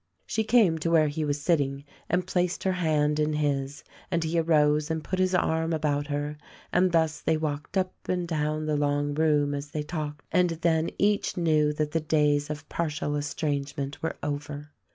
She came to where he was sitting and placed her hand in his and he arose and put his arm about her, and thus they walked up and down the long room as they talked ; and then each knew that the days of partial estrangement were over.